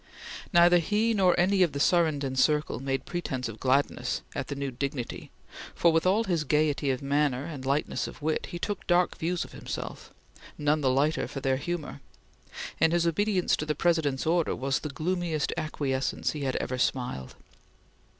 Neither he nor any of the Surrenden circle made pretence of gladness at the new dignity for, with all his gaiety of manner and lightness of wit, he took dark views of himself, none the lighter for their humor, and his obedience to the President's order was the gloomiest acquiescence he had ever smiled.